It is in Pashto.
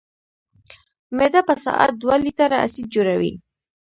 معده په ساعت دوه لیټره اسید جوړوي.